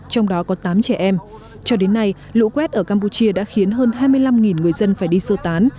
trong đó có tám trẻ em cho đến nay lũ quét ở campuchia đã khiến hơn hai mươi năm người dân phải đi sơ tán